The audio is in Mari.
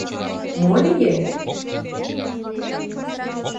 — Мо лие?